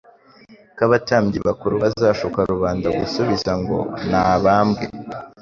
ko abatambyi bakuru bazashuka rubanda gusubiza ngo " Nabambwe”.